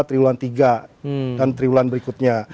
triwulan tiga dan triwulan berikutnya